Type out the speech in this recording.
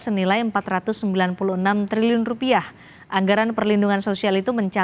pemerintah mengalokasikan anggaran perlindungan sosial